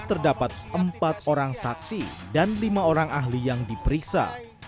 terdapat empat orang saksi dan lima orang ahli yang diperiksa